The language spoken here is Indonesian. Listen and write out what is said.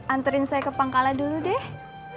anterin saya ke pangkala dulu deh